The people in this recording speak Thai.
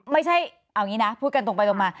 ไม่ใช่เอางี้นะพูดกันตรงไปตรงมา